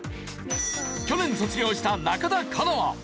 去年卒業した中田花奈は。